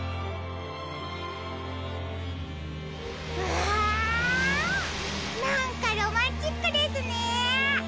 わなんかロマンチックですね。